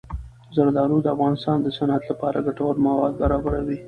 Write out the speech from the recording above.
زردالو د افغانستان د صنعت لپاره ګټور مواد برابروي.